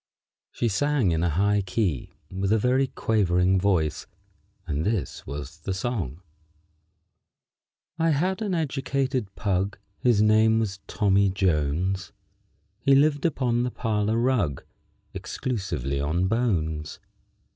] She sang in a high key with a very quavering voice, and this was the song: _I had an educated pug, His name was Tommy Jones; He lived upon the parlor rug Exclusively on bones.